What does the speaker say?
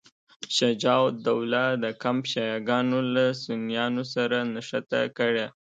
شجاع الدوله د کمپ شیعه ګانو له سنیانو سره نښته کړې.